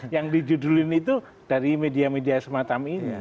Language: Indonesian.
yang dijudulin itu dari media media semacam ini